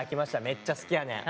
「めっちゃ好きやねん！」。